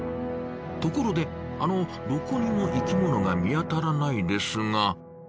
ところであのどこにも生きものが見当たらないですが。